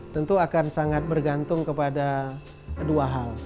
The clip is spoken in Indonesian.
tentu akan sangat bergantung kepada dua hal